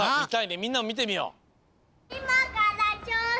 みんなもみてみよう。